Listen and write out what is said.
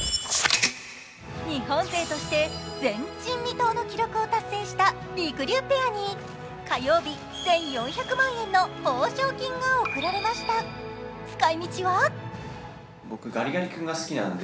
日本勢として前人未到の記録を達成したりくりゅうペアに火曜日、１４００万円の報奨金が贈られました、使い道は？